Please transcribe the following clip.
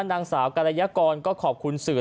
นางสาวกัลละยะกรก็ขอบคุณศูนย์